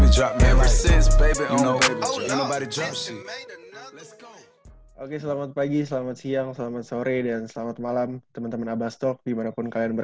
jangan lupa stapa setelah lulus kuliah